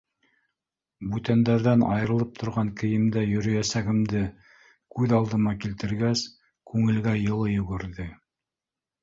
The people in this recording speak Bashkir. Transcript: Бүтәндәрҙән айырылып торған кейемдә йөрөйәсәгемде күҙ алдыма килтергәс, күңелгә йылы йүгерҙе.